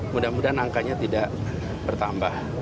mudah mudahan angkanya tidak bertambah